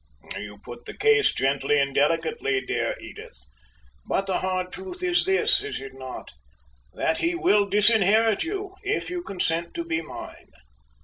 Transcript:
"You put the case gently and delicately, dear Edith, but the hard truth is this is it not that he will disinherit you, if you consent to be mine?